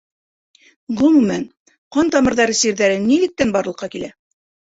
Ғөмүмән, ҡан тамырҙары сирҙәре нилектән барлыҡҡа килә?